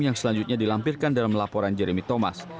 yang selanjutnya dilampirkan dalam laporan jeremy thomas